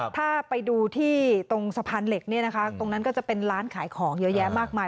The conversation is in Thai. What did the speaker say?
ถ้าไปดูที่ตรงสะพานเหล็กเนี่ยนะคะตรงนั้นก็จะเป็นร้านขายของเยอะแยะมากมาย